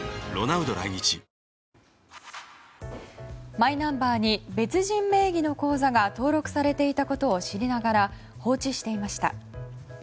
マイナンバーに別人名義の口座が登録されていたことを知りながら放置していました。